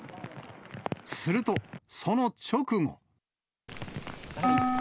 すると、その直後。